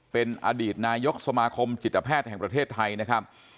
เป็นอดีตนายกสมาคมจิตแพทย์แห่งประเทศไทยนะครับ